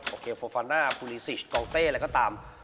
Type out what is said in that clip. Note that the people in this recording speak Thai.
โอเคโฟฟาน่าฟูลิซิสกองเต้อะไรก็ตาม